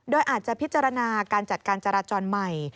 โดยอาจจะพิจารณาการจัดการจราจรใหม่